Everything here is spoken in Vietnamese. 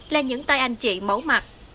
là những tay anh chị mẫu mặt